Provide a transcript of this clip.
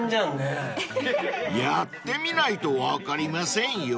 ［やってみないと分かりませんよ］